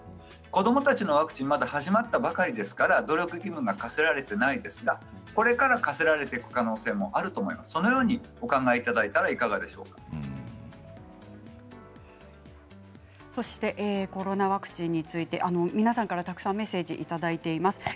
子どもたちのワクチンは始まったばかりですから努力義務が課せられていませんがこれから課せられる可能性があるとお考えいただいたらコロナワクチンについて皆さんからたくさんメッセージをいただいています。